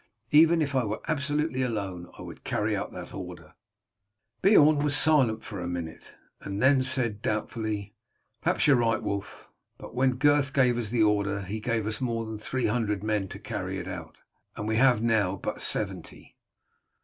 Even if I were absolutely alone, I would carry out that order." Beorn was silent for a minute, and then said doubtfully, "Perhaps you are right, Wulf; but when Gurth gave us the order he gave us more than three hundred men to carry it out, and we have now but seventy."